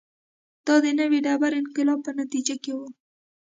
دا د نوې ډبرې انقلاب په نتیجه کې و